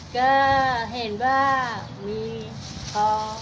ก็เห็นว่ามีพอ